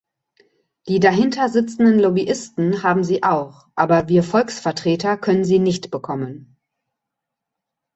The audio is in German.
Die dahinter sitzenden Lobbyisten haben sie auch, aber wir Volksvertreter können sie nicht bekommen.